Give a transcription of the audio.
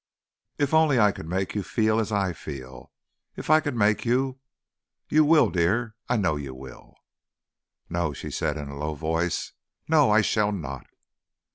If only I could make you feel as I feel, if I could make you! You will, dear, I know you will." "No," she said in a low voice. "No, I shall not."